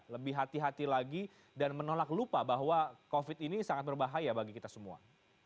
lebih hati hati lagi dan menolak lupa bahwa covid ini sangat berbahaya bagi kita semua